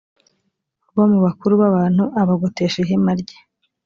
bo mu bakuru b abantu abagotesha ihema ryera